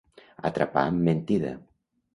Atrapar amb mentida.